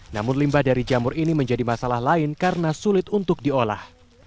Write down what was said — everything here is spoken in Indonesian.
namun limbah dari jamur ini menjadi masalah lain karena sulit untuk diolah